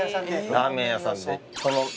ラーメン屋さんで。